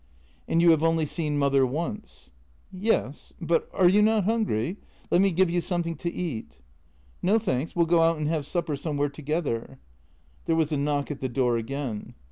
" And you have only seen mother once? " "Yes — but are you not hungry ? Let me give you some thing to eat." " No, thanks. We'll go out and have supper somewhere to gether." JENNY 139 There was a knock at the door again.